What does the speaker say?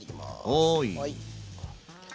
はい。